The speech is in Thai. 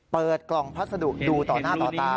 เปิดกล่องพัสดุดูต่อหน้าต่อตา